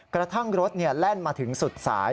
กระทั่งรถแล่นมาถึงสุดสาย